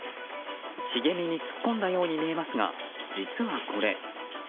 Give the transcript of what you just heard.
茂みに突っ込んだように見えますが、実はこれ。